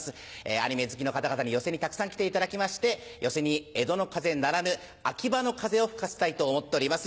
アニメ好きの方々に寄席にたくさん来ていただきまして寄席に江戸の風ならぬアキバの風を吹かせたいと思っております。